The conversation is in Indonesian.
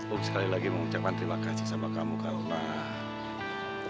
aku sekali lagi mengucapkan terima kasih sama kamu kak umar